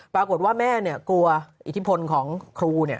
ปรากฏว่าแม่กลัวอิทธิพลของครู